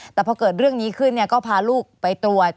แต่พอเกิดเรื่องนี้ขึ้นก็พาลูกไปตรวจ